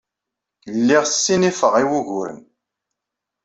Lliɣ ssinifeɣ i wuguren.